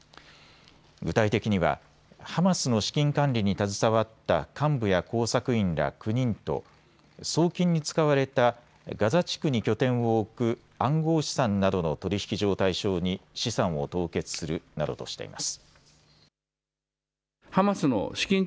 具体的にはハマスの資金管理に携わった幹部や工作員ら９人と送金に使われたガザ地区に拠点を置く暗号資産などの取引所を対象に資産を凍結するなどとしています。